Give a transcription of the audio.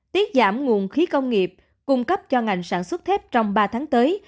tiết giảm nguồn khí công nghiệp cung cấp cho ngành sản xuất thép trong ba tháng tới